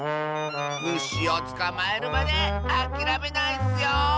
むしをつかまえるまであきらめないッスよ！